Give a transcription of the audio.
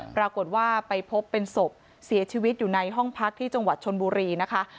ปรากฏว่าไปพบเป็นศพเสียชีวิตอยู่ในห้องพักที่จังหวัดชนบุรีนะคะ